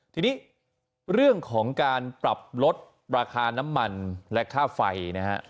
ทีนี้เรื่องของการปรับลดราคาน้ำมันและค่าไฟนะฮะ